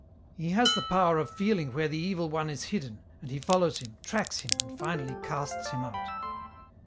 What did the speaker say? "He has the power of feeling where the Evil One is hidden, and he follows him, tracks him, and finally casts him out."